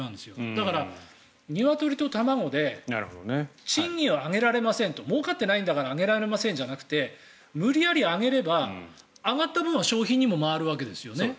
だからニワトリと卵で賃金を上げられませんもうかっていないから上げられませんじゃなくて無理やり上げれば、上がった分は消費にも回るわけですよね。